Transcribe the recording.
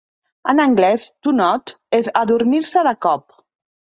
En anglès, "to nod" és adormir-se de cop.